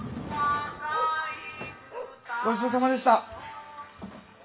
ごちそうさまでした！